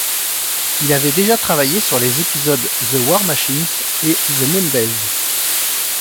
Il avait déjà travaillé sur les épisodes The War Machines et The Moonbase.